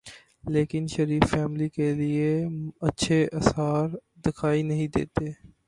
لیکن شریف فیملی کے لیے اچھے آثار دکھائی نہیں دیتے۔